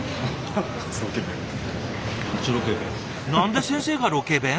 何で先生がロケ弁？